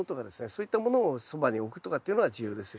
そういったものをそばに置くとかっていうのが重要です。